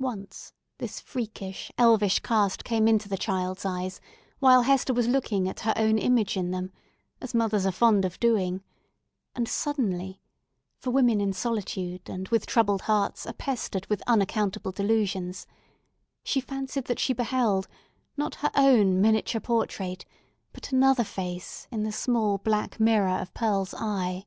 Once this freakish, elvish cast came into the child's eyes while Hester was looking at her own image in them, as mothers are fond of doing; and suddenly—for women in solitude, and with troubled hearts, are pestered with unaccountable delusions—she fancied that she beheld, not her own miniature portrait, but another face in the small black mirror of Pearl's eye.